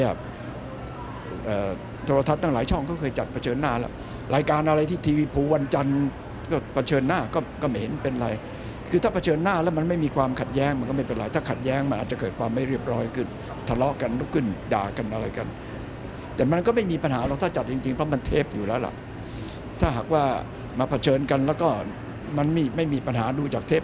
รู้ว่าทำอะไรเห็นจากข่าวนะแต่ไม่รู้ว่าทำอะไรเห็นจากข่าวนะแต่ไม่รู้ว่าทำอะไรเห็นจากข่าวนะแต่ไม่รู้ว่าทำอะไรเห็นจากข่าวนะแต่ไม่รู้ว่าทำอะไรเห็นจากข่าวนะแต่ไม่รู้ว่าทำอะไรเห็นจากข่าวนะแต่ไม่รู้ว่าทำอะไรเห็นจากข่าวนะแต่ไม่รู้ว่าทำอะไรเห็นจากข่าวนะแต่ไม่รู้ว่าทำอะไรเห็นจากข่าวนะแต่ไม่รู้ว่าทำอะไรเห็นจากข่าวนะแต่ไม่รู้ว่าทำอะไรเห็นจ